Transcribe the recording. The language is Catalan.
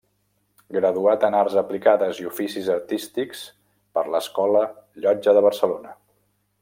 Graduat en Arts Aplicades i Oficis Artístics per l'Escola Llotja de Barcelona.